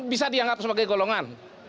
bisa dianggap sebagai golongan